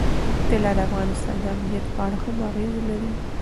طلا د افغانستان د امنیت په اړه هم اغېز لري.